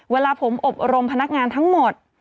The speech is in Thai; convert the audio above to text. เวลาผมอบรมพนักงานทั้งหมด